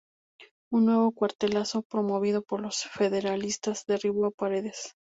Un nuevo cuartelazo, promovido por los federalistas, derribo a Paredes.